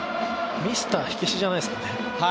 ミスター火消しじゃないですかね。